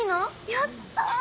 やった！